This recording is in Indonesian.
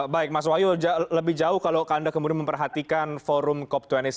baik mas wahyu lebih jauh kalau anda kemudian memperhatikan forum cop dua puluh satu